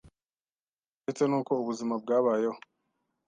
ndetse n’uko ubuzima bwabayeho,